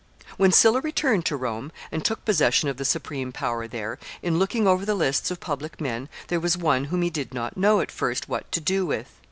] When Sylla returned to Rome, and took possession of the supreme power there, in looking over the lists of public men, there was one whom he did not know, at first what to do with.